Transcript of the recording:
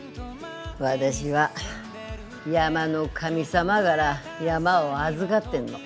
私は山の神様がら山を預がってんの。